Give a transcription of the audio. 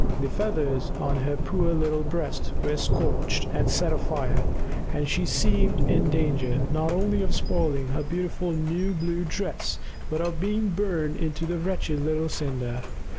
The feathers on her poor little breast were scorched and set afire, and she seemed in danger not only of spoiling her beautiful new blue dress but of being burned into a wretched little cinder.